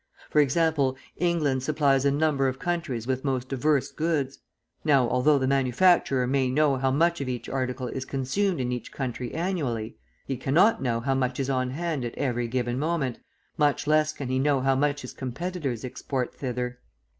For example, England supplies a number of countries with most diverse goods. Now, although the manufacturer may know how much of each article is consumed in each country annually, he cannot know how much is on hand at every given moment, much less can he know how much his competitors export thither.